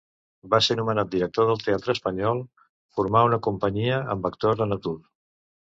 Va ser nomenat director del Teatre espanyol: formà una companyia amb actors en atur.